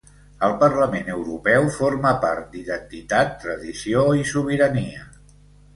Al Parlament Europeu forma part d'Identitat, Tradició i Sobirania.